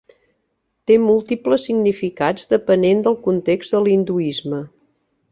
Té múltiples significats depenent del context a l'hinduisme.